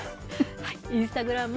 インスタグランマ